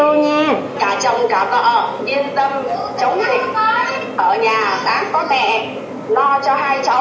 ở nhà sáng có mẹ lo cho hai cháu